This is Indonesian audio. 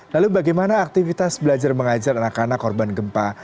lalu bagaimana aktivitas belajar mengajar anak anak korban gempa